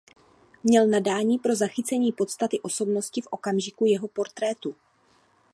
Měl nadání pro zachycení podstaty osobnosti v okamžiku jeho portrétu.